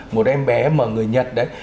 một em bé mà người nhật đấy